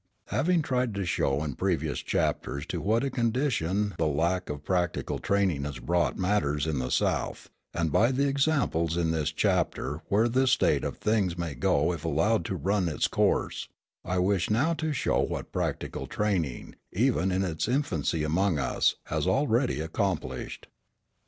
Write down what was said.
Having tried to show in previous chapters to what a condition the lack of practical training has brought matters in the South, and by the examples in this chapter where this state of things may go if allowed to run its course, I wish now to show what practical training, even in its infancy among us, has already accomplished.